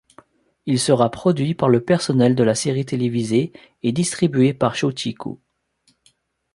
Il sera produit par le personnel de la série télévisée et distribué par Shōchiku.